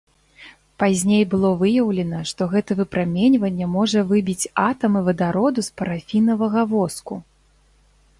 Пазней было выяўлена, што гэта выпраменьванне можа выбіць атамы вадароду з парафінавага воску.